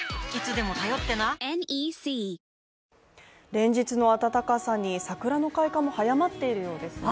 連日の暖かさに桜の開花も早まっているようですね。